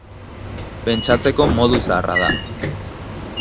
Pentsatzeko modu zaharra da.